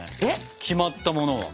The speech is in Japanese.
決まったものは。